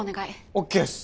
ＯＫっす。